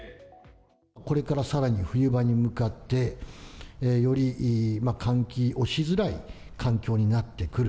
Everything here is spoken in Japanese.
これからさらに冬場に向かって、より換気をしづらい環境になってくる。